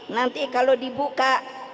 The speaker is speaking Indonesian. nanti kalau dibuka